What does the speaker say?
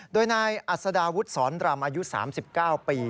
โดยนายอัศดาวุฒิสอนรำอายุ๓๙ปี